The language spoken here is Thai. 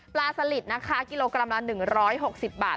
สลิดนะคะกิโลกรัมละ๑๖๐บาท